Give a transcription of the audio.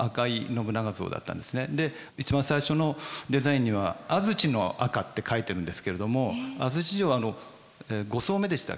で一番最初のデザインには安土の赤って描いてるんですけれども安土城は５層目でしたっけ？